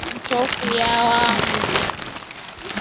Njofu yawaa mndu.